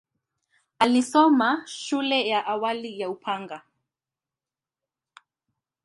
Alisoma shule ya awali ya Upanga.